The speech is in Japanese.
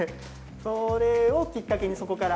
それをきっかけにそこから。